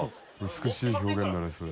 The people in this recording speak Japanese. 美しい表現だねそれ。